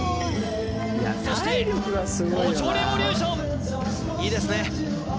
そしてオチョレボリューションいいですね